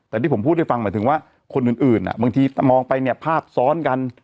แต่ที่ผมพูดให้ฟังหมายถึงว่าคนอื่นบางทีมองไปเนี่ยภาพซ้อนกัน